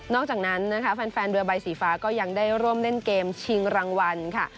อกจากนั้นนะคะแฟนเรือใบสีฟ้าก็ยังได้ร่วมเล่นเกมชิงรางวัลค่ะ